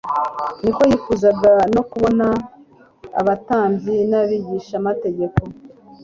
niko yifuzaga no kubona abatambyi n'abigishamategeko,